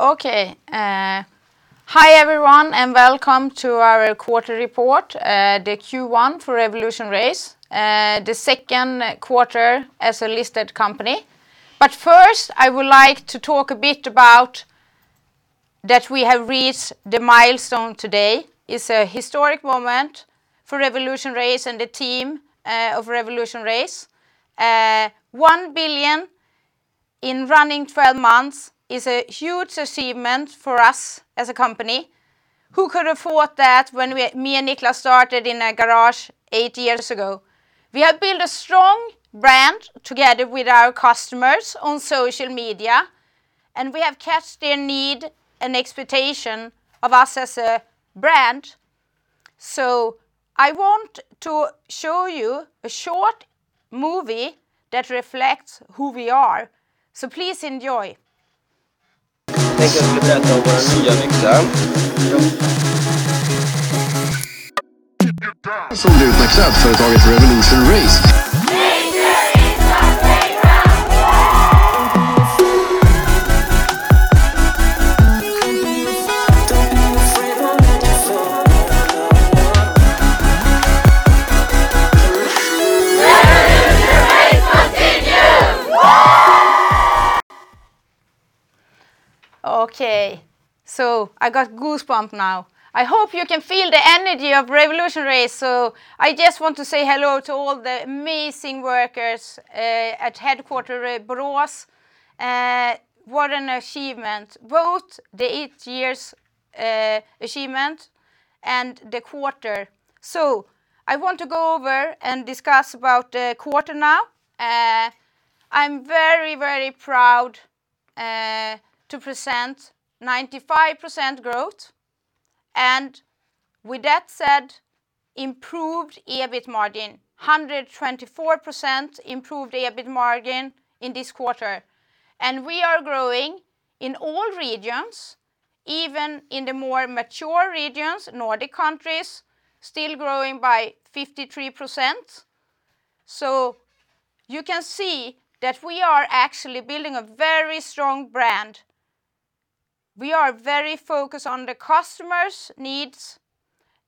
Okay, hi everyone and welcome to our quarter report, the Q1 for RevolutionRace. The second quarter as a listed company. First I would like to talk a bit about that we have reached the milestone today. It's a historic moment for RevolutionRace and the team of RevolutionRace. 1 billion in running 12 months is a huge achievement for us as a company. Who could have thought that when we, me and Niklas started in a garage eight years ago? We have built a strong brand together with our customers on social media, and we have caught their need and expectation of us as a brand. I want to show you a short movie that reflects who we are. Please enjoy. Okay. I got goosebumps now. I hope you can feel the energy of RevolutionRace. I just want to say hello to all the amazing workers at headquarters Borås. What an achievement, both the eight years achievement and the quarter. I want to go over and discuss about the quarter now. I'm very, very proud to present 95% growth and with that said, improved EBIT margin, 124% improved EBIT margin in this quarter. We are growing in all regions, even in the more mature regions, Nordic countries still growing by 53%. You can see that we are actually building a very strong brand. We are very focused on the customers' needs,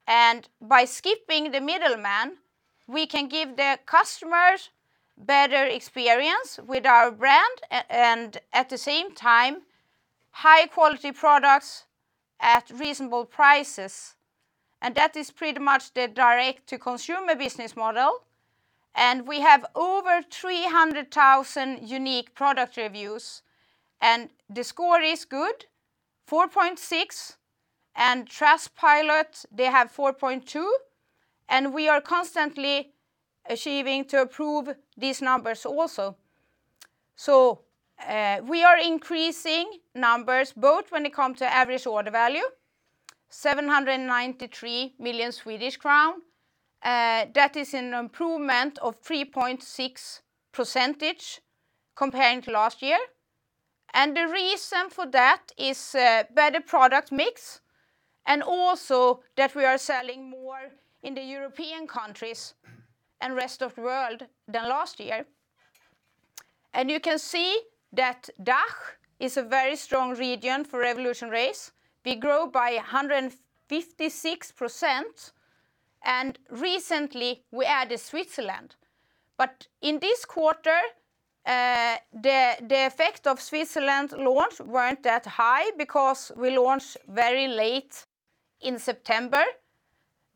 and by skipping the middle man, we can give the customers better experience with our brand and at the same time, high quality products at reasonable prices. That is pretty much the direct to consumer business model. We have over 300,000 unique product reviews and the score is good, 4.6, and Trustpilot, they have 4.2, and we are constantly achieving to improve these numbers also. We are increasing numbers both when it comes to average order value, 793 million Swedish crown, that is an improvement of 3.6% comparing to last year, and the reason for that is, better product mix and also that we are selling more in the European countries and rest of the world than last year. You can see that DACH is a very strong region for RevolutionRace. We grow by 156% and recently we added Switzerland, but in this quarter, the effect of Switzerland launch weren't that high because we launched very late in September,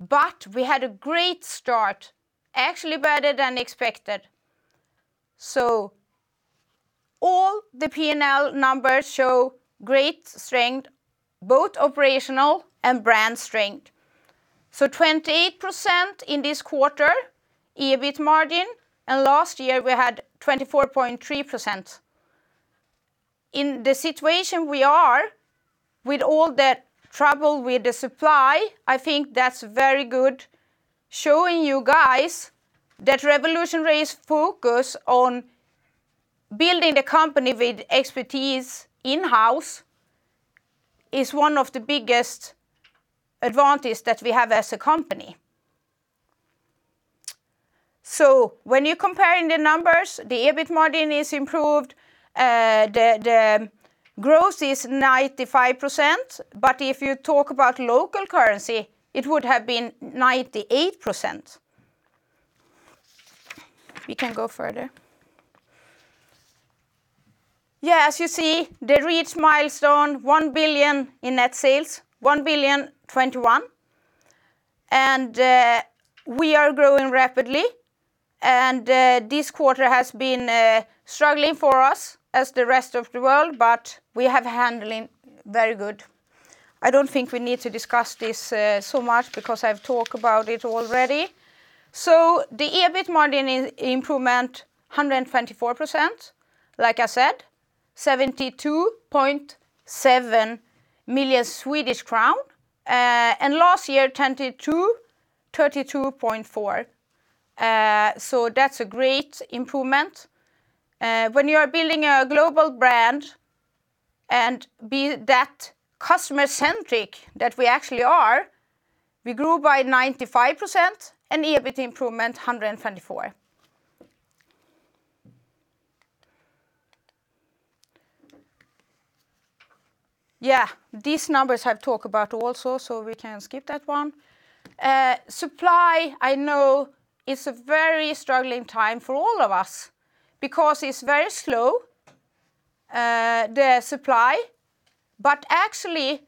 but we had a great start, actually better than expected. All the P&L numbers show great strength, both operational and brand strength. 28% in this quarter, EBIT margin, and last year we had 24.3%. In the situation we are with all the trouble with the supply, I think that's very good showing you guys that RevolutionRace focus on building the company with expertise in-house is one of the biggest advantage that we have as a company. When you're comparing the numbers, the EBIT margin is improved. The growth is 95%, but if you talk about local currency, it would have been 98%. We can go further. Yeah. As you see, they reach milestone 1 billion in net sales, 1,021, and we are growing rapidly and this quarter has been struggling for us as the rest of the world, but we have handling very good. I don't think we need to discuss this so much because I've talked about it already. The EBIT margin improvement 124%, like I said, 72.7 million Swedish crown, and last year 2022, 32.4. That's a great improvement. When you're building a global brand and be that customer centric that we actually are, we grew by 95% and EBIT improvement 124%. Yeah, these numbers I've talked about also, so we can skip that one. The supply. I know it's a very struggling time for all of us because the supply is very slow. Actually,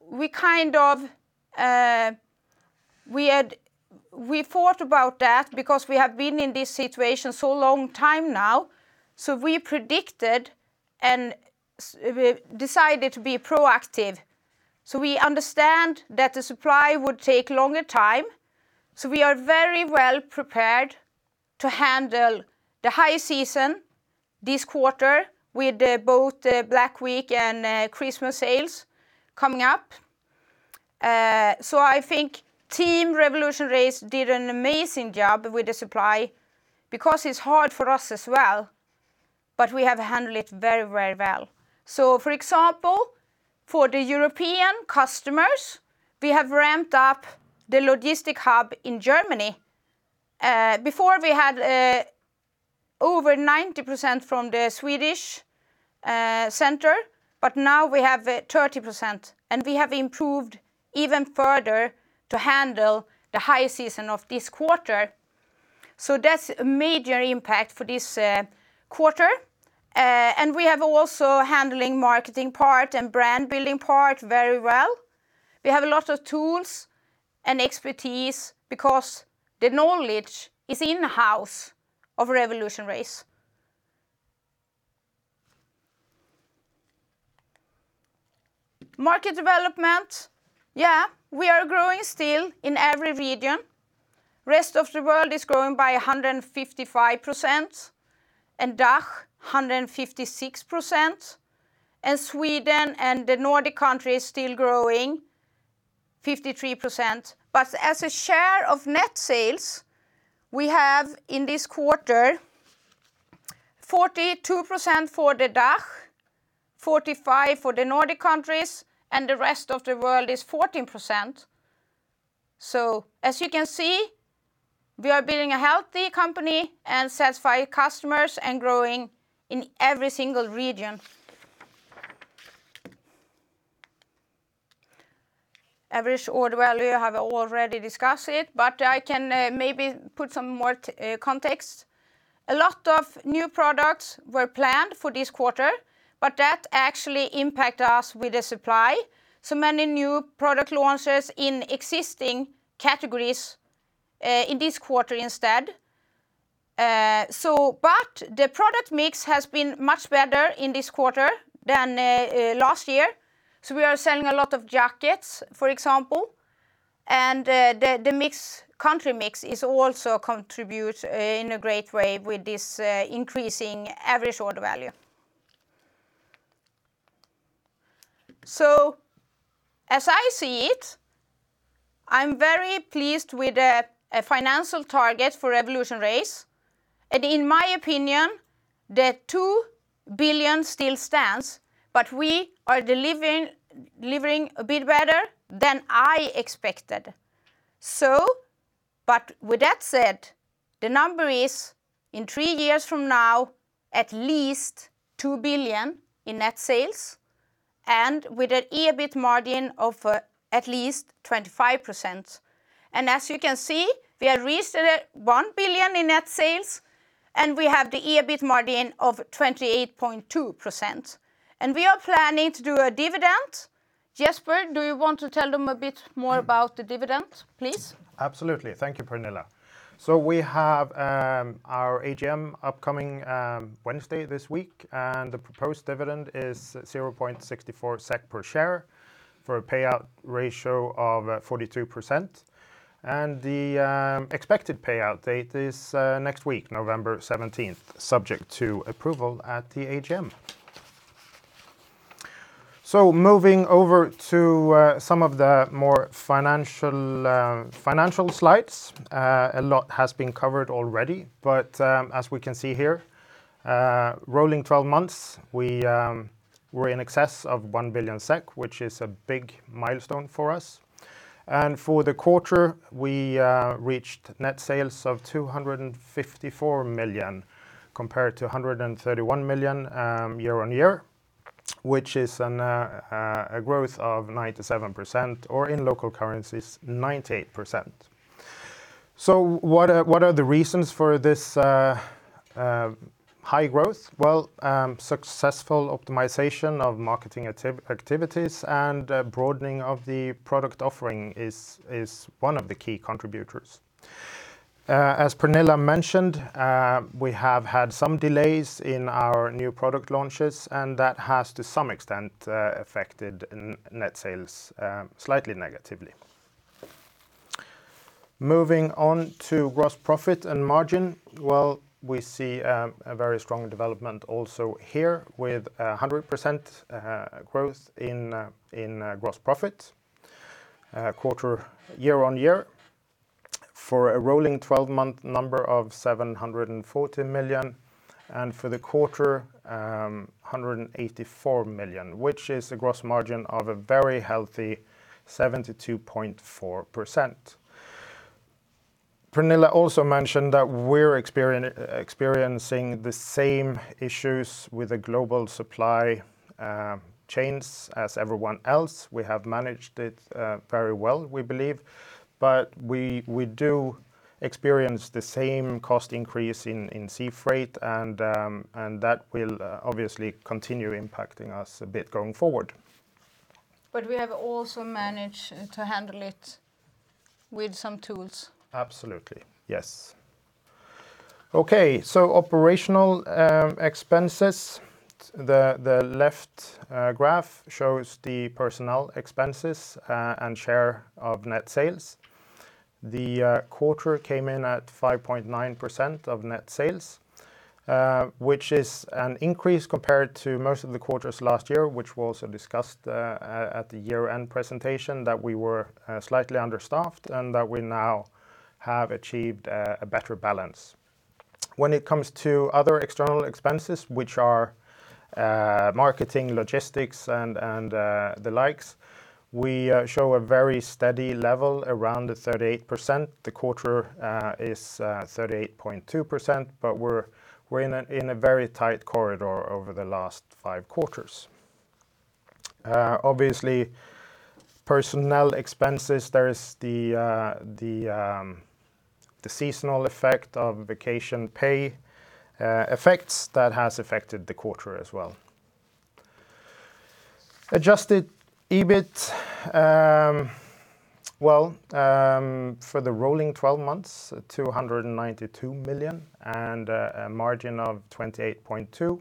we kind of thought about that because we have been in this situation so long time now, so we predicted and we decided to be proactive. We understand that the supply would take longer time, so we are very well prepared to handle the high season this quarter with both Black Week and Christmas sales coming up. I think Team RevolutionRace did an amazing job with the supply because it's hard for us as well, but we have handled it very, very well. For example, for the European customers, we have ramped up the logistics hub in Germany. Before we had over 90% from the Swedish center, but now we have 30%, and we have improved even further to handle the high season of this quarter. That's a major impact for this quarter. We have also handling marketing part and brand building part very well. We have a lot of tools and expertise because the knowledge is in-house of RevolutionRace. Market development, yeah, we are growing still in every region. Rest of the world is growing by 155% and DACH 156% and Sweden and the Nordic countries still growing 53%. As a share of net sales, we have in this quarter 42% for the DACH, 45% for the Nordic countries, and the rest of the world is 14%. As you can see, we are building a healthy company and satisfy customers and growing in every single region. Average order value, I have already discussed it, but I can maybe put some more context. A lot of new products were planned for this quarter, but that actually impact us with the supply. Many new product launches in existing categories in this quarter instead. The product mix has been much better in this quarter than last year, so we are selling a lot of jackets, for example, and the mix, country mix is also contribute in a great way with this increasing average order value. As I see it, I'm very pleased with the financial target for RevolutionRace, and in my opinion, the two billion still stands, but we are delivering a bit better than I expected. With that said, the number is in three years from now, at least 2 billion in net sales and with an EBIT margin of at least 25%. As you can see, we have reached 1 billion in net sales, and we have the EBIT margin of 28.2%, and we are planning to do a dividend. Jesper, do you want to tell them a bit more about the dividend, please? Absolutely. Thank you, Pernilla. We have our AGM upcoming Wednesday this week, and the proposed dividend is 0.64 SEK per share for a payout ratio of 42%. The expected payout date is next week, November 17th, subject to approval at the AGM. Moving over to some of the more financial slides, a lot has been covered already, but as we can see here, rolling 12 months, we're in excess of 1 billion SEK, which is a big milestone for us. For the quarter, we reached net sales of 254 million compared to 131 million year-on-year, which is a growth of 97% or in local currencies, 98%. What are the reasons for this high growth? Well, successful optimization of marketing activities and broadening of the product offering is one of the key contributors. As Pernilla mentioned, we have had some delays in our new product launches, and that has to some extent affected net sales slightly negatively. Moving on to gross profit and margin, well, we see a very strong development also here with 100% growth in gross profit year on year for a rolling 12-month number of 740 million. For the quarter, 184 million, which is a gross margin of a very healthy 72.4%. Pernilla also mentioned that we're experiencing the same issues with the global supply chains as everyone else. We have managed it very well, we believe. We do experience the same cost increase in sea freight, and that will obviously continue impacting us a bit going forward. We have also managed to handle it with some tools. Absolutely, yes. Okay, operational expenses. The left graph shows the personnel expenses and share of net sales. The quarter came in at 5.9% of net sales, which is an increase compared to most of the quarters last year, which was also discussed at the year-end presentation, that we were slightly understaffed, and that we now have achieved a better balance. When it comes to other external expenses, which are marketing, logistics and the likes, we show a very steady level around 38%. The quarter is 38.2%, but we're in a very tight corridor over the last five quarters. Obviously, personnel expenses, there is the seasonal effect of vacation pay effects that has affected the quarter as well. Adjusted EBIT for the rolling 12 months, 292 million, and a margin of 28.2%.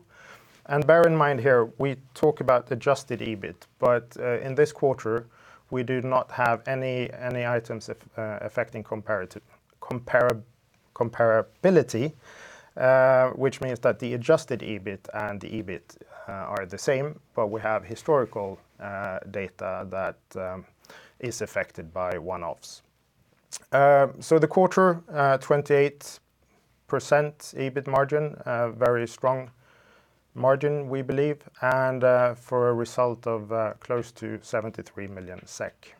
Bear in mind here, we talk about adjusted EBIT, but in this quarter, we do not have any items affecting comparability, which means that the adjusted EBIT and the EBIT are the same, but we have historical data that is affected by one-offs. The quarter 28% EBIT margin, a very strong margin, we believe, and for a result of close to 73 million SEK.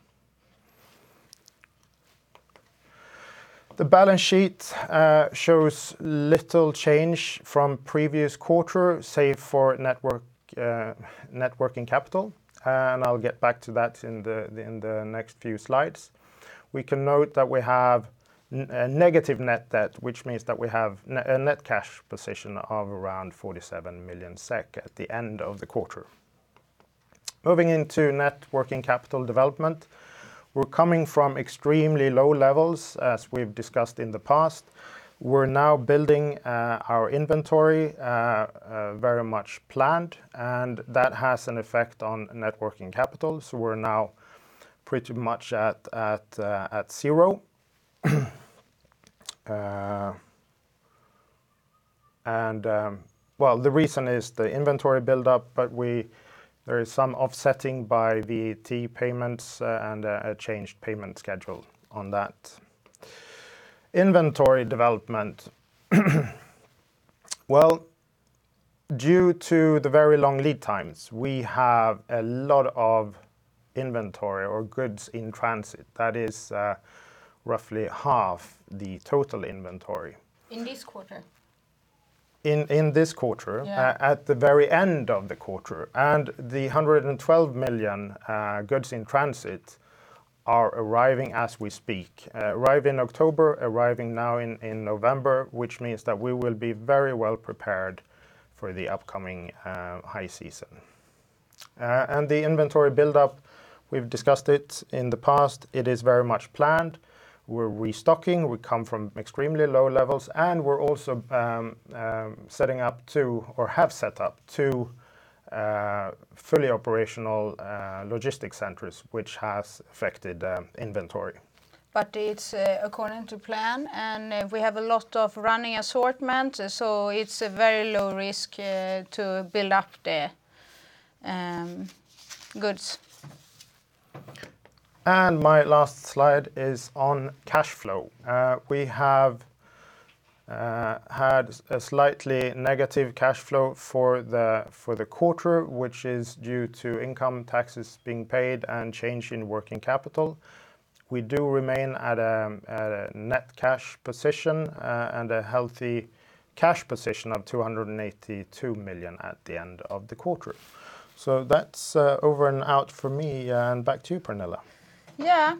The balance sheet shows little change from previous quarter, save for net working capital, and I'll get back to that in the next few slides. We can note that we have negative net debt, which means that we have net cash position of around 47 million SEK at the end of the quarter. Moving into net working capital development, we're coming from extremely low levels, as we've discussed in the past. We're now building our inventory very much planned, and that has an effect on net working capital. We're now pretty much at zero. The reason is the inventory buildup, but there is some offsetting by VAT payments and a changed payment schedule on that. Inventory development. Well, due to the very long lead times, we have a lot of inventory or goods in transit. That is roughly half the total inventory. In this quarter? In this quarter. Yeah. At the very end of the quarter. The 112 million goods in transit are arriving as we speak, arrived in October, arriving now in November, which means that we will be very well prepared for the upcoming high season. The inventory buildup, we've discussed it in the past. It is very much planned. We're restocking. We come from extremely low levels, and we're also setting up to, or have set up two fully operational logistics centers, which has affected inventory. It's according to plan, and we have a lot of running assortment, so it's a very low risk to build up the goods. My last slide is on cash flow. We have had a slightly negative cash flow for the quarter, which is due to income taxes being paid and change in working capital. We do remain at a net cash position and a healthy cash position of 282 million at the end of the quarter. That's over and out for me, and back to you, Pernilla. Yeah.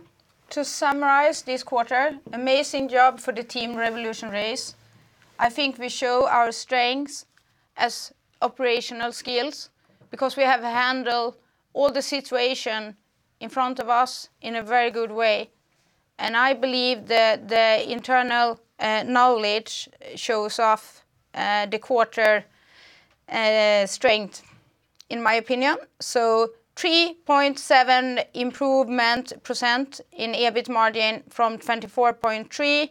To summarize this quarter, amazing job for the team RevolutionRace. I think we show our strengths as operational skills, because we have handled all the situation in front of us in a very good way, and I believe that the internal knowledge shows off the quarter strength in my opinion. 3.7% improvement in EBIT margin from 24.3%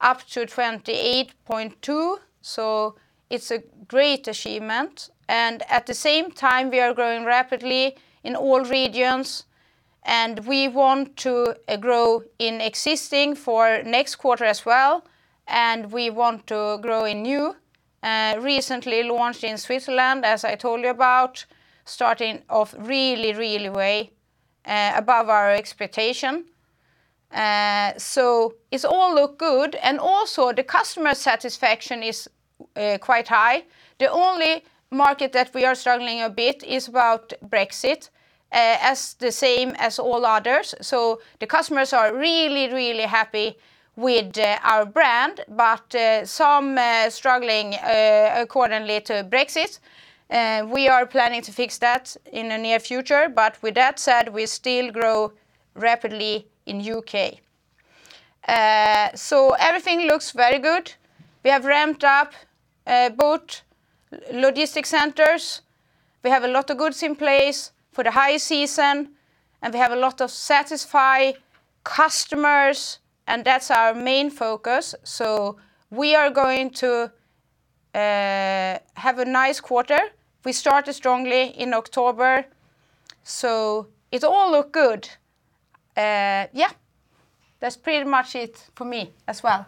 to 28.2%, it's a great achievement. At the same time, we are growing rapidly in all regions. We want to grow in existing for next quarter as well, and we want to grow in new. Recently launched in Switzerland, as I told you about, starting off really well, way above our expectation. It all looks good. Also the customer satisfaction is quite high. The only market that we are struggling a bit is about Brexit, as the same as all others. The customers are really, really happy with our brand, but some struggling according to Brexit. We are planning to fix that in the near future, but with that said, we still grow rapidly in U.K. Everything looks very good. We have ramped up both logistics centers. We have a lot of goods in place for the high season, and we have a lot of satisfied customers, and that's our main focus. We are going to have a nice quarter. We started strongly in October, so it all look good. Yeah, that's pretty much it for me as well.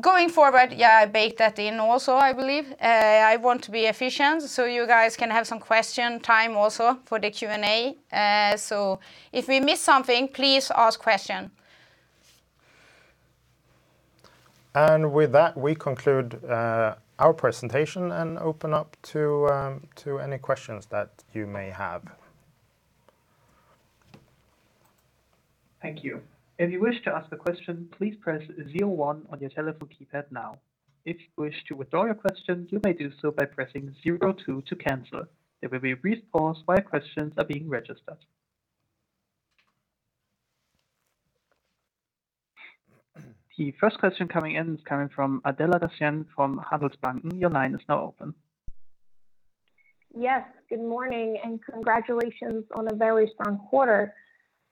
Going forward, yeah, I baked that in also, I believe. I want to be efficient so you guys can have some question time also for the Q&A. If we miss something, please ask question. With that, we conclude our presentation and open up to any questions that you may have. Thank you. If you wish to ask a question, please press zero one on your telephone keypad now. If you wish to withdraw your question, you may do so by pressing zero two to cancel. There will be a brief pause while questions are being registered. The first question is coming from Adela Dashian from Handelsbanken. Your line is now open. Yes. Good morning and congratulations on a very strong quarter.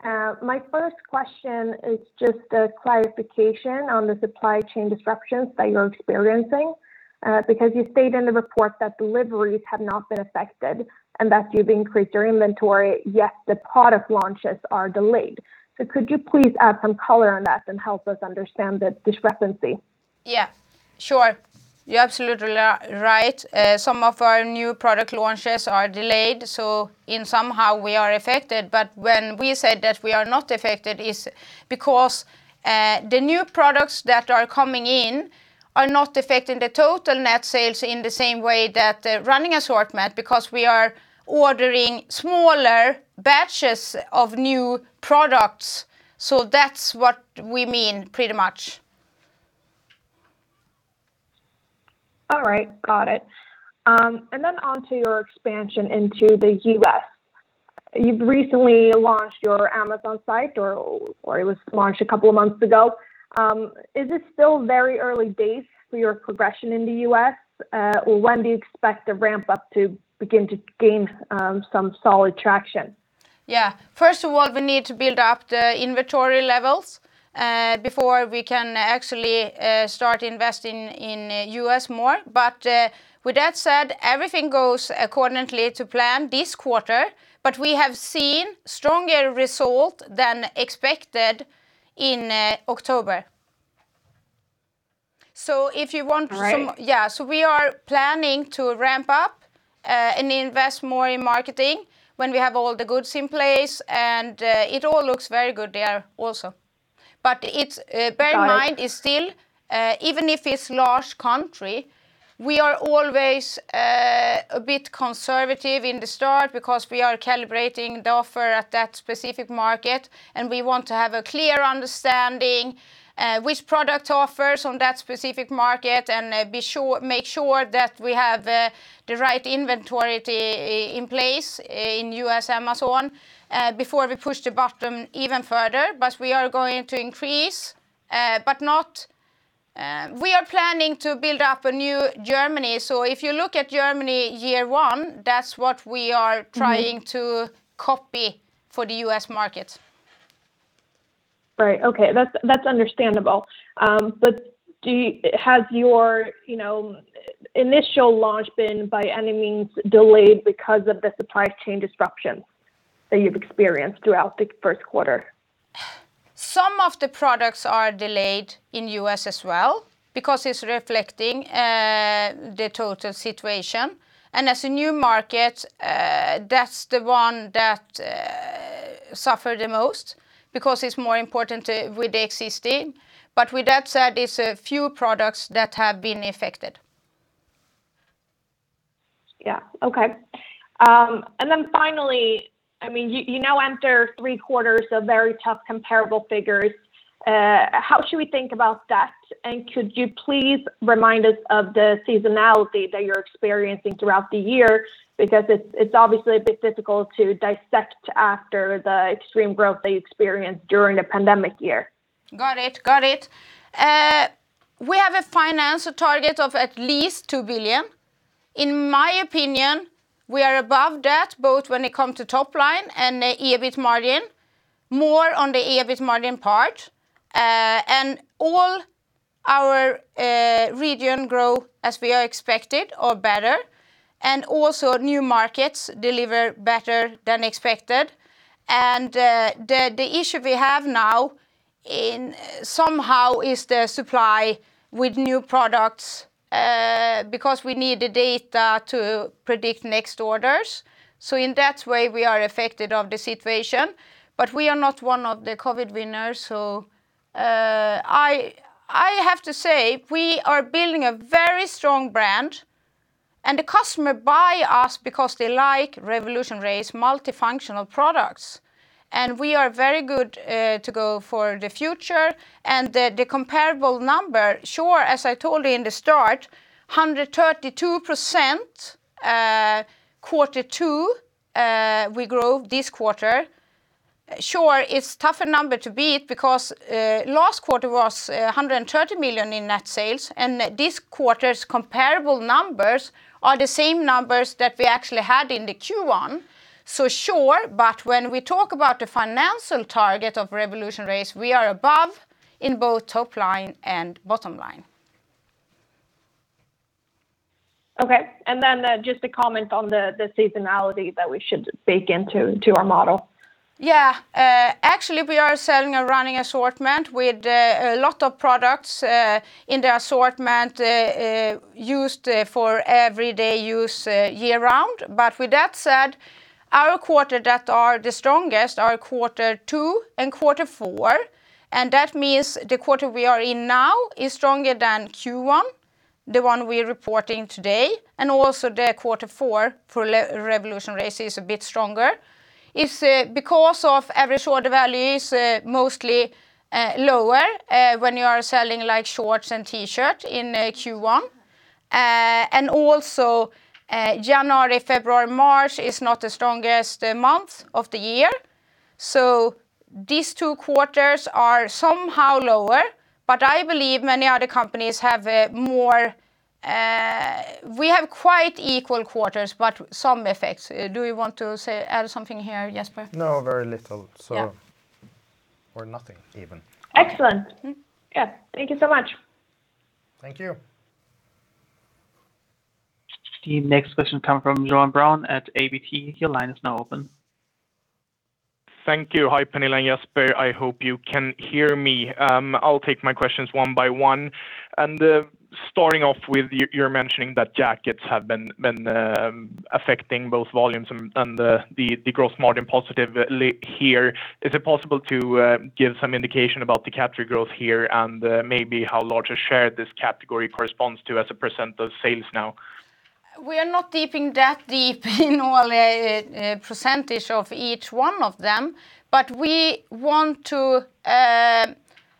My first question is just a clarification on the supply chain disruptions that you're experiencing, because you stated in the report that deliveries have not been affected and that you've increased your inventory, yet the product launches are delayed. Could you please add some color on that and help us understand the discrepancy? Yeah, sure. You're absolutely right. Some of our new product launches are delayed, so, in some way, we are affected. When we said that we are not affected, it's because the new products that are coming in are not affecting the total net sales in the same way that the running assortment, because we are ordering smaller batches of new products. That's what we mean, pretty much. All right. Got it. Onto your expansion into the U.S. You've recently launched your Amazon site, or it was launched a couple of months ago. Is it still very early days for your progression in the U.S.? Or when do you expect the ramp up to begin to gain some solid traction? Yeah. First of all, we need to build up the inventory levels, before we can actually start investing in U.S. more. With that said, everything goes according to plan this quarter, but we have seen stronger result than expected in October. If you want some- Right. Yeah. We are planning to ramp up and invest more in marketing when we have all the goods in place, and it all looks very good there also. Got it. Bear in mind it's still, even if it's a large country, we are always a bit conservative in the start because we are calibrating the offer at that specific market, and we want to have a clear understanding, which product offers on that specific market and, make sure that we have the right inventory in place in U.S. Amazon, before we push the button even further. But we are going to increase. We are planning to build up in Germany. So if you look at Germany year one, that's what we are trying. Mm-hmm. To copy for the U.S. market. Right. Okay. That's understandable. Has your, you know, initial launch been by any means delayed because of the supply chain disruptions that you've experienced throughout the first quarter? Some of the products are delayed in U.S. as well because it's affecting the total situation. As a new market, that's the one that suffers the most because it's more important with the existing. With that said, it's a few products that have been affected. Yeah. Okay. Finally, I mean, you now enter three quarters of very tough comparable figures. How should we think about that? Could you please remind us of the seasonality that you're experiencing throughout the year? Because it's obviously a bit difficult to dissect after the extreme growth that you experienced during the pandemic year. Got it. We have a financial target of at least 2 billion. In my opinion, we are above that both when it come to top line and the EBIT margin. More on the EBIT margin part, and all our regions grow as we are expected or better, and also new markets deliver better than expected. The issue we have now is somehow the supply with new products, because we need the data to predict next orders. In that way, we are affected by the situation, but we are not one of the COVID winners. I have to say we are building a very strong brand and the customer buy us because they like RevolutionRace multifunctional products and we are very good to go for the future and the comparable number. Sure, as I told you in the start, 132%, quarter two, we grew this quarter. Sure, it's tougher number to beat because last quarter was a 130 million in net sales, and this quarter's comparable numbers are the same numbers that we actually had in the Q1, so sure. When we talk about the financial target of RevolutionRace, we are above in both top line and bottom line. Okay. Just a comment on the seasonality that we should bake into our model. Yeah. Actually we are selling a running assortment with a lot of products in the assortment used for everyday use year round. With that said, our quarter that are the strongest are quarter two and quarter four, and that means the quarter we are in now is stronger than Q1, the one we are reporting today. Also the quarter four for RevolutionRace is a bit stronger. It's because of average order value is mostly lower when you are selling like shorts and T-shirt in Q1. Also, January, February, March is not the strongest month of the year. These two quarters are somehow lower, but I believe many other companies have more. We have quite equal quarters, but some effects. Do you want to add something here, Jesper? No, very little. Yeah. Or nothing even. Excellent. Mm. Yeah. Thank you so much. Thank you. The next question comes from Johan Brown at ABG. Your line is now open. Thank you. Hi, Pernilla and Jesper. I hope you can hear me. I'll take my questions one by one. Starting off with you're mentioning that jackets have been affecting both volumes and the gross margin positively here. Is it possible to give some indication about the category growth here and maybe how large a share this category corresponds to as a percent of sales now? We are not deep in that, deep in all percentage of each one of them. But we want to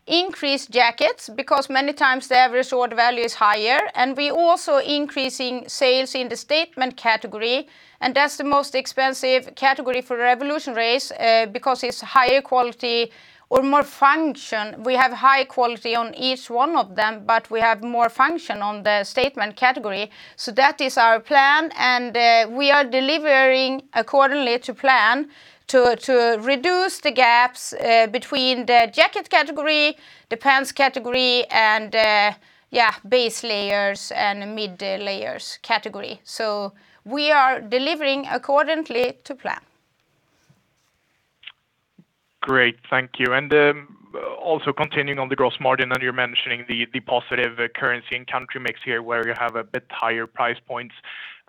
increase jackets because many times the average order value is higher and we also increasing sales in the statement category, and that's the most expensive category for RevolutionRace because it's higher quality or more function. We have high quality on each one of them, but we have more function on the statement category. That is our plan and we are delivering according to plan to reduce the gaps between the jacket category, the pants category, and yeah, base layers and mid layers category. We are delivering according to plan. Great. Thank you. Also continuing on the gross margin, and you're mentioning the positive currency and country mix here where you have a bit higher price points.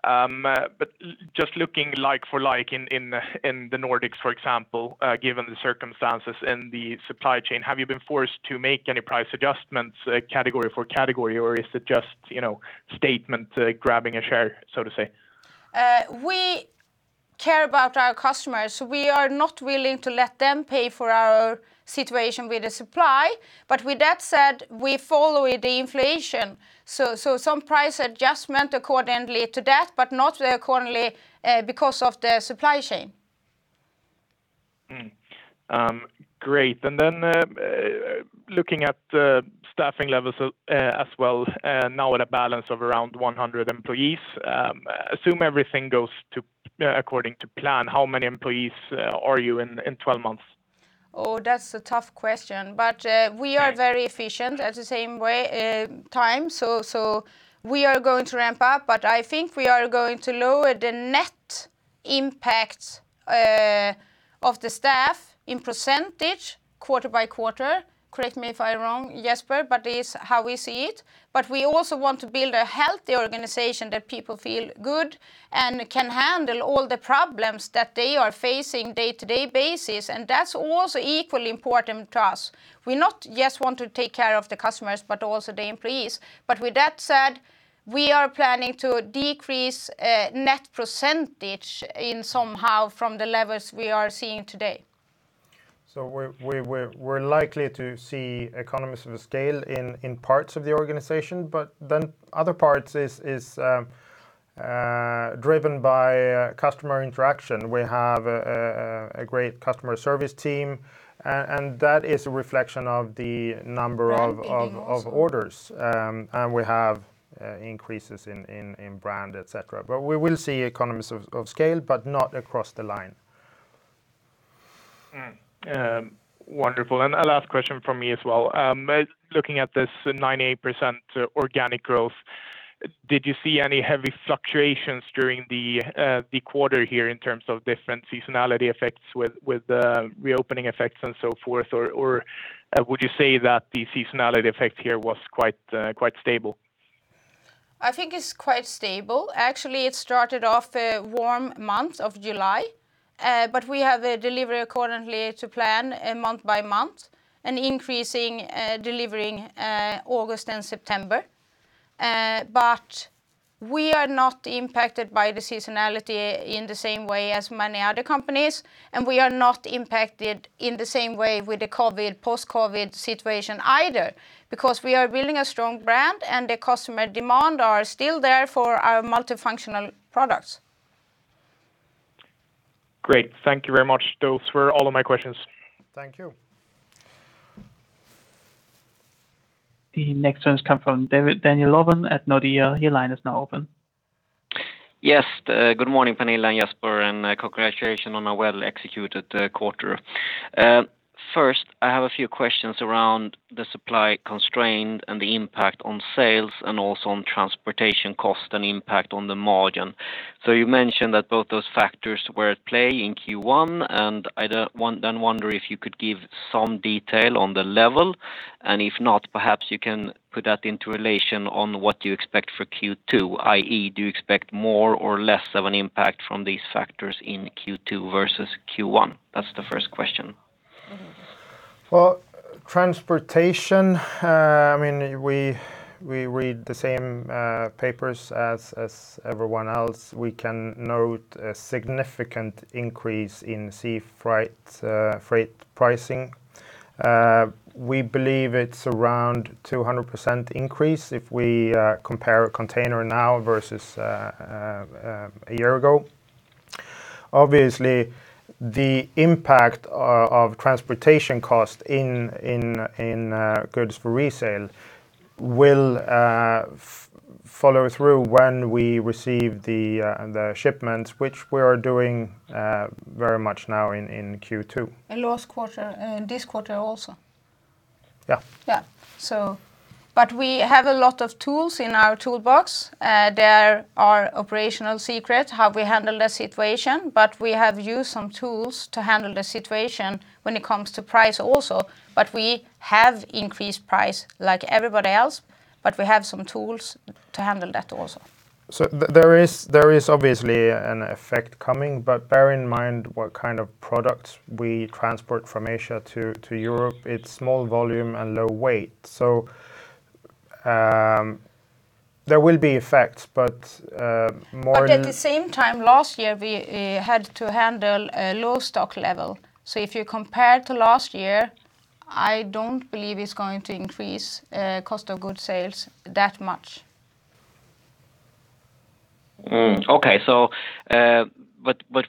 But just looking like for like in the Nordics, for example, given the circumstances in the supply chain, have you been forced to make any price adjustments, category for category, or is it just, you know, statement grabbing a share, so to say? We care about our customers. We are not willing to let them pay for our situation with the supply. With that said, we follow the inflation, so some price adjustment accordingly to that, but not accordingly, because of the supply chain. Great. Looking at the staffing levels as well, now at a balance of around 100 employees. Assume everything goes according to plan, how many employees are you in 12 months? Oh, that's a tough question. Yeah. We are very efficient in the same way at the same time. We are going to ramp up, but I think we are going to lower the net impact of the staff as a percentage quarter by quarter. Correct me if I'm wrong, Jesper, but this is how we see it. We also want to build a healthy organization that people feel good and can handle all the problems that they are facing day-to-day basis, and that's also equally important to us. We don't just want to take care of the customers, but also the employees. With that said, we are planning to decrease net percentage in some way from the levels we are seeing today. We're likely to see economies of scale in parts of the organization. Other parts is driven by customer interaction. We have a great customer service team, and that is a reflection of the number of- Branding also. Of orders. We have increases in brand, et cetera. We will see economies of scale, but not across the line. Wonderful. A last question from me as well. Looking at this 98% organic growth, did you see any heavy fluctuations during the quarter here in terms of different seasonality effects with the reopening effects and so forth? Or would you say that the seasonality effect here was quite stable? I think it's quite stable. Actually, it started off a warm month of July, but we have a delivery accordingly to plan, month by month, and increasing, delivering, August and September. We are not impacted by the seasonality in the same way as many other companies, and we are not impacted in the same way with the COVID, post-COVID situation either because we are building a strong brand, and the customer demand are still there for our multifunctional products. Great. Thank you very much. Those were all of my questions. Thank you. The next one comes from Daniel Ovin at Nordea. Your line is now open. Yes. Good morning, Pernilla and Jesper, and congratulations on a well-executed quarter. First, I have a few questions around the supply constraint and the impact on sales and also on transportation cost and impact on the margin. You mentioned that both those factors were at play in Q1, and wonder if you could give some detail on the level, and if not, perhaps you can put that into relation on what you expect for Q2, i.e., do you expect more or less of an impact from these factors in Q2 versus Q1? That's the first question. Mm-hmm. Well, transportation, I mean, we read the same papers as everyone else. We can note a significant increase in sea freight freight pricing. We believe it's around 200% increase if we compare a container now versus a year ago. Obviously, the impact of transportation cost in goods for resale will follow through when we receive the shipments, which we are doing very much now in Q2. Last quarter, this quarter also. Yeah. Yeah. We have a lot of tools in our toolbox. There are operational secrets how we handle the situation, but we have used some tools to handle the situation when it comes to price also. We have increased price like everybody else, but we have some tools to handle that also. There is obviously an effect coming, but bear in mind what kind of products we transport from Asia to Europe. It's small volume and low weight. There will be effects, but more. At the same time last year, we had to handle a low stock level. If you compare to last year, I don't believe it's going to increase cost of goods sales that much.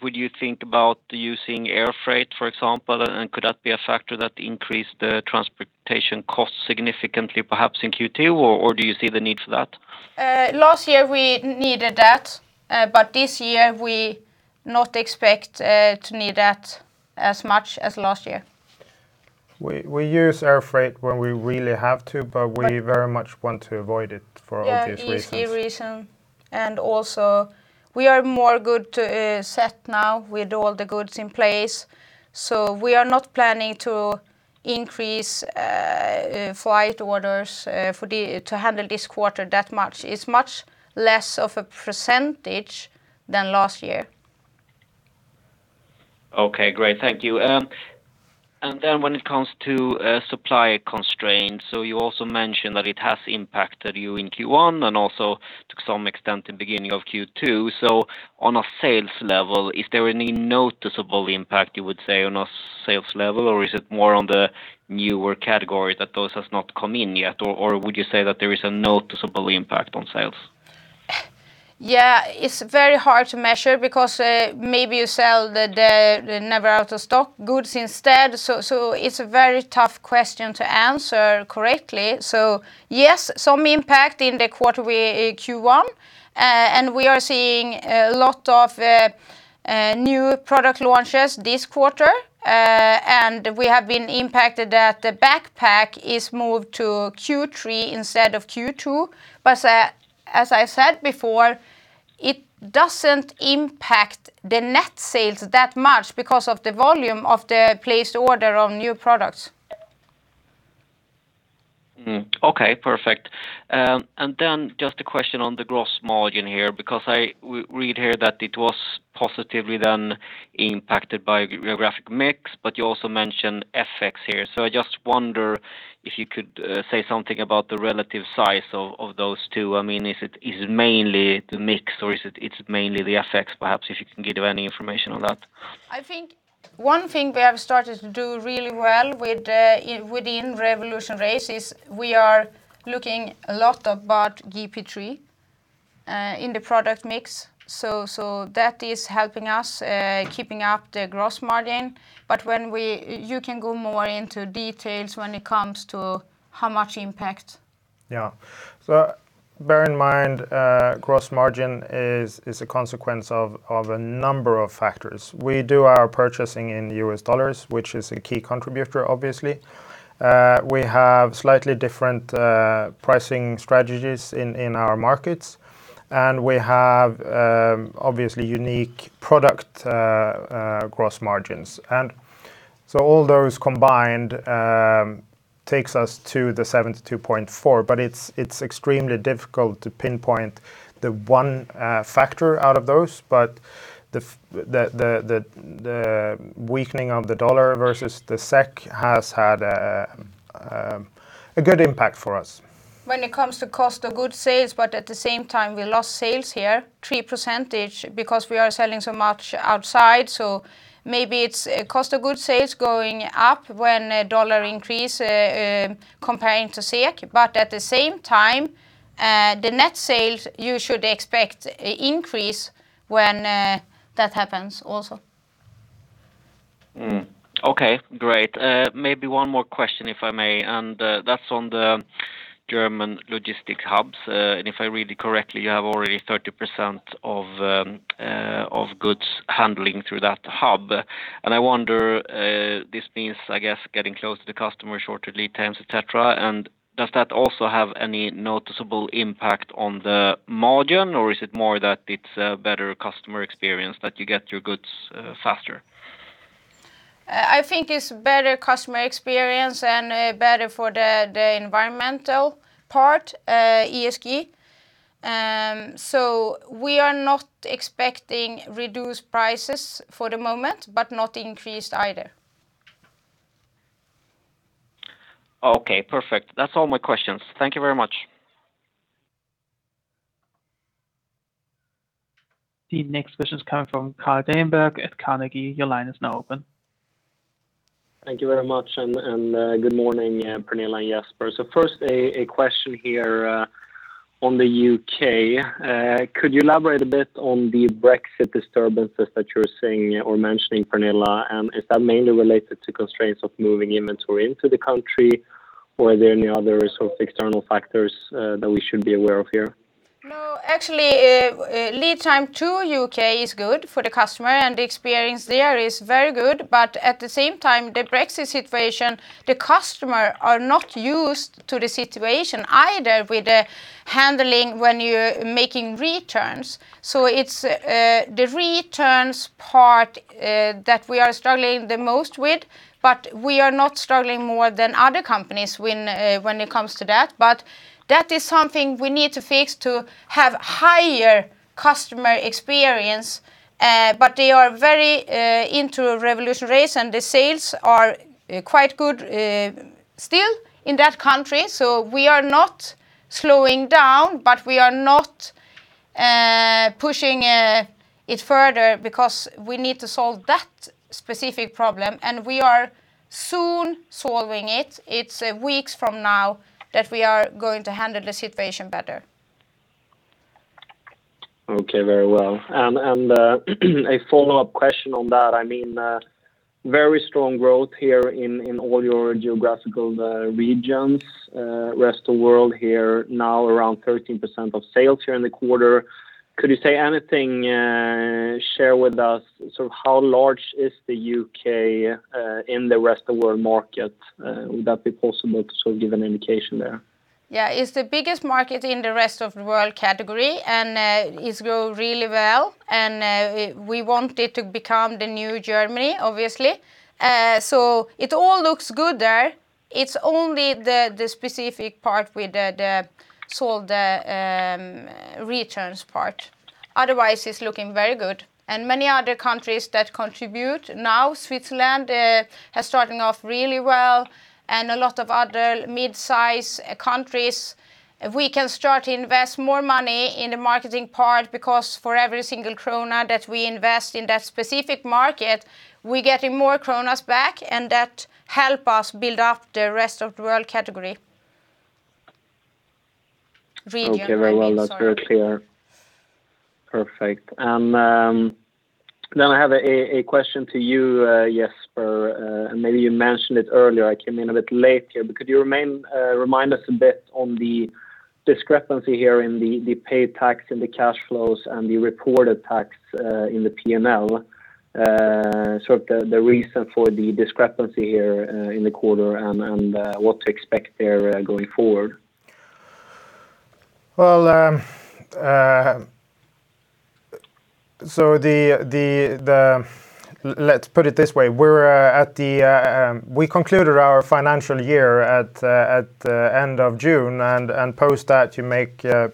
Would you think about using air freight, for example? Could that be a factor that increase the transportation cost significantly, perhaps in Q2? Do you see the need for that? Last year we needed that, but this year we not expect to need that as much as last year. We use air freight when we really have to, but we very much want to avoid it for obvious reasons. Yeah, easy reason. We are better set now with all the goods in place. We are not planning to increase flight orders to handle this quarter that much. It's much less of a percentage than last year. Okay, great. Thank you. When it comes to supply constraints, you also mentioned that it has impacted you in Q1 and also to some extent the beginning of Q2. On a sales level, is there any noticeable impact, you would say, on a sales level, or is it more on the newer category that those has not come in yet? Or would you say that there is a noticeable impact on sales? Yeah, it's very hard to measure because maybe you sell the never out of stock goods instead. It's a very tough question to answer correctly. Yes, some impact in the quarter Q1. We are seeing a lot of new product launches this quarter. We have been impacted that the backpack is moved to Q3 instead of Q2. As I said before, it doesn't impact the net sales that much because of the volume of the placed order on new products. Okay, perfect. Just a question on the gross margin here, because I read here that it was positively then impacted by geographic mix, but you also mentioned FX here. I just wonder if you could say something about the relative size of those two. I mean, is it mainly the mix or is it mainly the FX perhaps, if you can give any information on that? I think one thing we have started to do really well with within RevolutionRace is we are looking a lot about GP Pro in the product mix. That is helping us keeping up the gross margin. When we you can go more into details when it comes to how much impact. Yeah. Bear in mind, gross margin is a consequence of a number of factors. We do our purchasing in U.S. dollars, which is a key contributor, obviously. We have slightly different pricing strategies in our markets, and we have obviously unique product gross margins. All those combined takes us to the 72.4%, but it's extremely difficult to pinpoint the one factor out of those. The weakening of the dollar versus the SEK has had a good impact for us. When it comes to cost of goods sold, but at the same time, we lost sales here 3% because we are selling so much outside. Maybe it's cost of goods sold going up when a dollar increase comparing to SEK, but at the same time, the net sales, you should expect increase when that happens also. Okay, great. Maybe one more question, if I may, and that's on the German logistics hubs. If I read it correctly, you have already 30% of goods handling through that hub. I wonder this means, I guess, getting close to the customer, shorter lead times, et cetera. Does that also have any noticeable impact on the margin, or is it more that it's a better customer experience that you get your goods faster? I think it's better customer experience and better for the environmental part, ESG. We are not expecting reduced prices for the moment, but not increased either. Okay, perfect. That's all my questions. Thank you very much. The next question is coming from Carl Deijenberg at Carnegie. Your line is now open. Thank you very much, good morning, Pernilla and Jesper. First, a question here on the U.K. Could you elaborate a bit on the Brexit disturbances that you're seeing or mentioning, Pernilla? Is that mainly related to constraints of moving inventory into the country? Or are there any other sort of external factors that we should be aware of here? No, actually, lead time to U.K. is good for the customer, and the experience there is very good. At the same time, the Brexit situation, the customer are not used to the situation either with the handling when you're making returns. It's the returns part that we are struggling the most with, but we are not struggling more than other companies when it comes to that. That is something we need to fix to have higher customer experience. They are very into a RevolutionRace, and the sales are quite good still in that country. We are not slowing down, but we are not pushing it further because we need to solve that specific problem, and we are soon solving it. It's weeks from now that we are going to handle the situation better. Okay. Very well. A follow-up question on that. I mean, very strong growth here in all your geographical regions, rest of world here, now around 13% of sales here in the quarter. Could you say anything, share with us sort of how large is the U.K. in the rest of world market? Would that be possible to sort of give an indication there? It's the biggest market in the rest of world category, and it's growing really well. We want it to become the new Germany, obviously. It all looks good there. It's only the specific part with the returns part. Otherwise, it's looking very good. Many other countries that contribute now, Switzerland is starting off really well and a lot of other mid-size countries. If we can start to invest more money in the marketing part, because for every single krona that we invest in that specific market, we're getting more kronas back, and that helps us build up the rest of the world category. Region. Okay. Very well. Sorry. That's very clear. Perfect. Now I have a question to you, Jesper, and maybe you mentioned it earlier. I came in a bit late here. Could you remind us a bit on the discrepancy here in the paid tax and the cash flows and the reported tax in the P&L. Sort of the reason for the discrepancy here in the quarter and what to expect there going forward? Well, let's put it this way. We concluded our financial year at end of June, and post that you make, to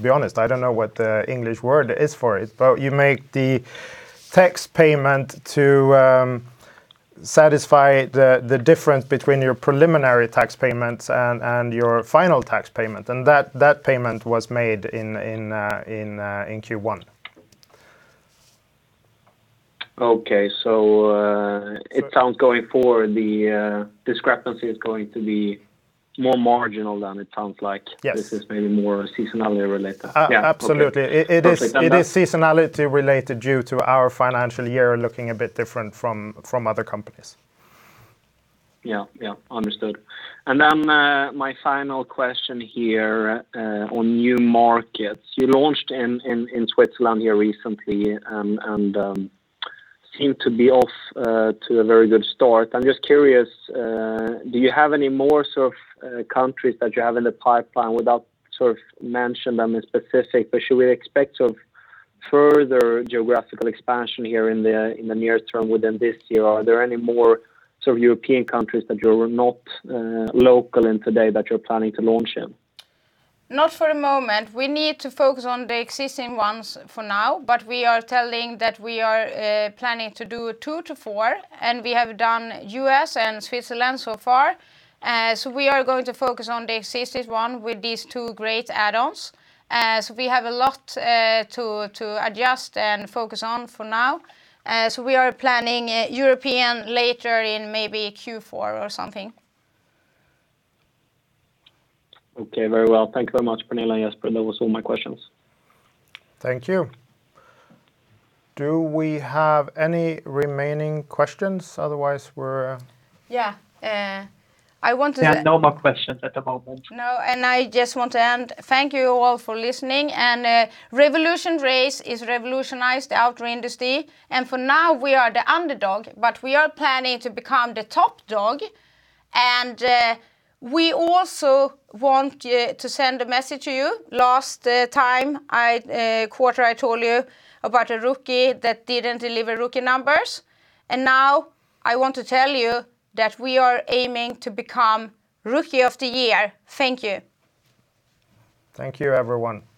be honest, I don't know what the English word is for it, but you make the tax payment to satisfy the difference between your preliminary tax payments and your final tax payment, and that payment was made in Q1. Okay. It sounds going forward, the discrepancy is going to be more marginal than it sounds like. Yes. This is maybe more seasonality related. A-absolutely. Yeah. Okay. It is- Okay. Done. It is seasonality related due to our financial year looking a bit different from other companies. Yeah, understood. Then my final question here on new markets. You launched in Switzerland here recently and seem to be off to a very good start. I'm just curious, do you have any more sort of countries that you have in the pipeline without sort of mention them in specific? Should we expect of further geographical expansion here in the near term within this year? Are there any more sort of European countries that you're not local in today that you're planning to launch in? Not for the moment. We need to focus on the existing ones for now, but we are telling that we are planning to do 2-4, and we have done U.S. and Switzerland so far. We are going to focus on the existing one with these two great add-ons. We have a lot to adjust and focus on for now. We are planning European later in maybe Q4 or something. Okay, very well. Thank you very much, Pernilla, Jesper that was all my questions. Thank you. Do we have any remaining questions? Otherwise, we're. Yeah, I wanted to. There are no more questions at the moment. No, I just want to end. Thank you all for listening. RevolutionRace is revolutionized outdoor industry. For now we are the underdog, but we are planning to become the top dog. We also want to send a message to you. Last quarter, I told you about a rookie that didn't deliver rookie numbers. Now I want to tell you that we are aiming to become Rookie of the Year. Thank you. Thank you, everyone.